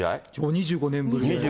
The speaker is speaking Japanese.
２５年ぶりで。